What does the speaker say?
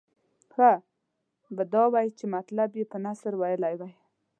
ښه به دا وای چې مطلب یې په نثر ویلی وای.